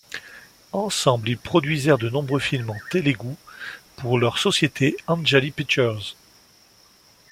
Ensemble, ils produisirent de nombreux films en télougou avec leur société Anjali Pictures.